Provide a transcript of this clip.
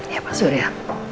ya pak surya